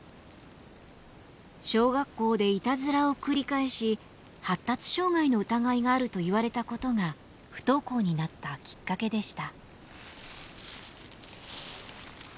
小学校でいたずらを繰り返し発達障害の疑いがあると言われたことが不登校になったきっかけでした。